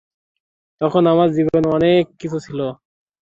তখন আমার জীবনে অনেক কিছু ছিলো।